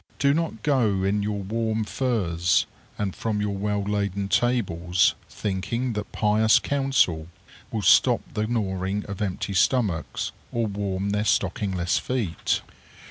Do not go in your warm furs, and from your well laden tables, thinking that pious counsel will stop the gnawing of empty stomachs or warm their stockingless feet.